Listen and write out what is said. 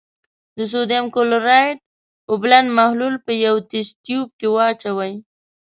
د سوډیم کلورایډ اوبلن محلول په یوه تست تیوب کې واچوئ.